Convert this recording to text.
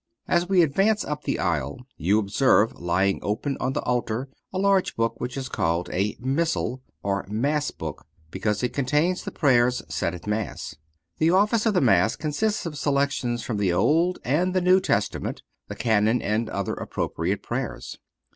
As we advance up the aisle you observe lying open on the altar a large book, which is called a Missal, or Mass book, because it contains the prayers said at Mass. The office of the Mass consists of selections from the Old and the New Testament, the Canon and other appropriate prayers.